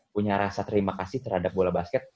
punya rasa terima kasih terhadap bola basket